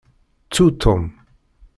Ttu Tom!